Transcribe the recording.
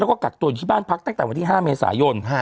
แล้วก็กักตัวอยู่ที่บ้านพักตั้งแต่วันที่๕เมษายน